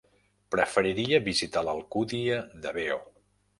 Preferiria visitar l'Alcúdia de Veo.